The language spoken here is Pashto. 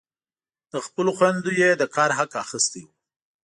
له خپلو خویندو یې د کار حق اخیستی وي.